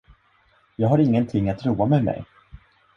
Jag har ingenting att roa mig med.